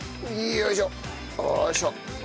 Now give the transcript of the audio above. よいしょ。